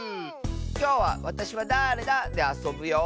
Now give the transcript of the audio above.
きょうは「わたしはだれだ？」であそぶよ！